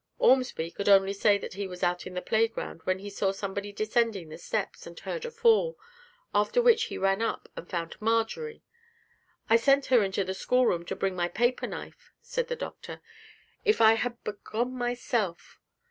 Ormsby could only say that he was out in the playground, when he saw somebody descending the steps, and heard a fall, after which he ran up and found Marjory. 'I sent her into the schoolroom to bring my paper knife,' said the Doctor; 'if I had but gone myself